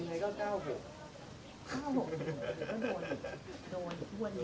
พวกเขาถ่ายมันตรงกลาง